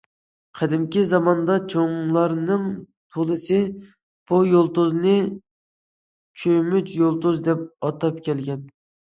قەدىمكى زاماندا چوڭلارنىڭ تولىسى بۇ يۇلتۇزنى چۆمۈچ يۇلتۇز دەپ ئاتاپ كەلگەن.